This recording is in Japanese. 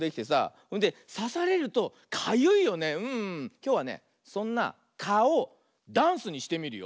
きょうはねそんなかをダンスにしてみるよ。